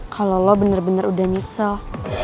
kalo lo bener bener udah nyesel